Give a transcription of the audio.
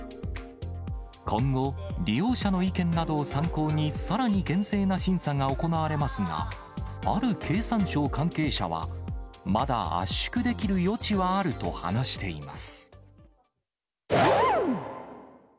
今後、利用者の意見などを参考にさらに厳正な審査が行われますが、ある経産省関係者は、まだ圧縮できる余地はあると話しています。